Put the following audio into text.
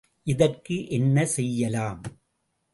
இதற்கு என்ன செய்யலாம்!